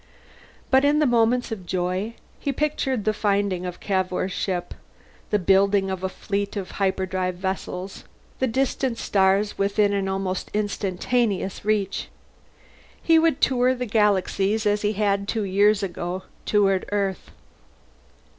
But in the moments of joy he pictured the finding of Cavour's ship, the building of a fleet of hyperdrive vessels. The distant stars within almost instantaneous reach! He would tour the galaxies as he had two years ago toured Earth.